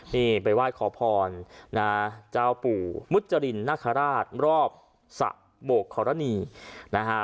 นี่ไปไหว้ขอพรนะเจ้าปู่มุจรินนาคาราชรอบสะโบกขอรณีนะฮะ